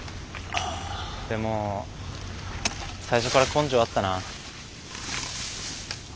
でも最初から根性あったな。